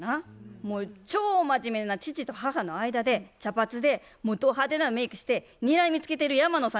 もう超真面目な父と母の間で茶髪でど派手なメイクしてにらみつけてる山野さんが写ってたんやて。